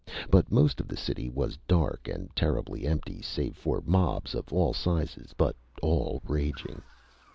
But most of the city was dark and terribly empty save for mobs of all sizes but all raging.